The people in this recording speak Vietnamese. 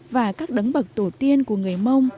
và các đấng bậc tổ tiên của người mông